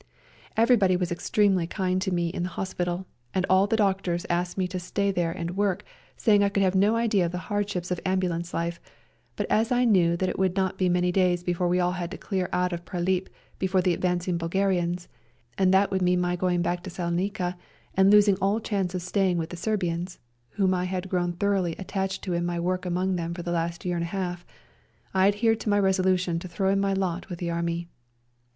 Everybody was extremely kind to me in the hospital, and all the doctors asked me to stay there and work, saying I could have no idea of the hardships of ambulance life; but as I knew that it would not be many days before we all had to clear out of Prilip before the advancing Bulgarians, and that would mean my going back to Salonica, and 16 REJOINING THE SERBIANS losing all chance of staying with the Serbians (whom I had grown thoroughly attached to in my work among them for the last year and a half), I adhered to my resolution to throw in my lot with the Army.